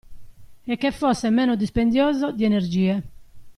E che fosse meno dispendioso di energie.